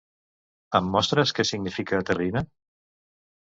Em mostres què significa terrina?